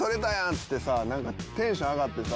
ってさなんかテンション上がってさ